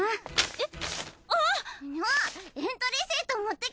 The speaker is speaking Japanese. えっ？